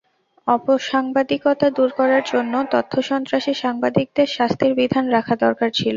অপসাংবাদিকতা দূর করার জন্য তথ্যসন্ত্রাসী সাংবাদিকদের শাস্তির বিধান রাখা দরকার ছিল।